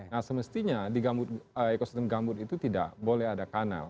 nah semestinya di ekosistem gambut itu tidak boleh ada kanal